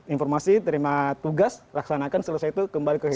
informasi terima tugas laksanakan selesai itu kembali ke situ